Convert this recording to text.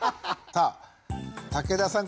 さあ武田さん